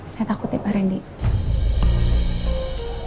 saya takut ya pak rendy